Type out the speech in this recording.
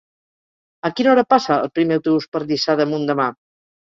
A quina hora passa el primer autobús per Lliçà d'Amunt demà?